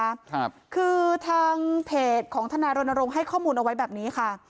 ครับคือทางเพจของทนายรณรงค์ให้ข้อมูลเอาไว้แบบนี้ค่ะ